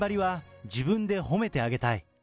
その頑張りは自分で褒めてあげたい。